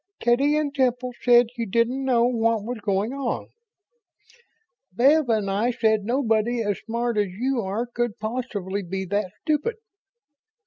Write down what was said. Teddy and Temple said you didn't know what was going on; Bev and I said nobody as smart as you are could possibly be that stupid."